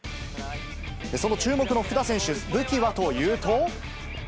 その注目の福田選手、武器はというと。